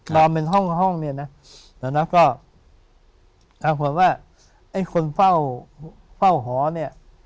นอนเป็นห้องห้องเนี่ยนะแล้วก็ปรากฏว่าไอ้คนเฝ้าเฝ้าหอเนี่ย